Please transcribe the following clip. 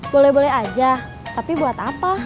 boleh boleh aja tapi buat apa